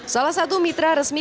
salah satu mitra resmi